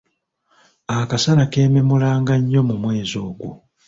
Akasana keememulanga nnyo mu mwezi ogwo.